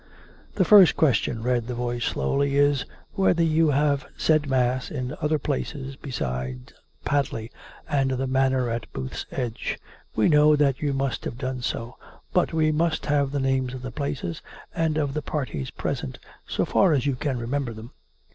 " The first question," read the voice slowly, " is. Whether you have said mass in other places beside Padley and the manor at Booth's Edge. We know that you must have done so; but we must have the names of the places, and of the parties present, so far as you can remember them.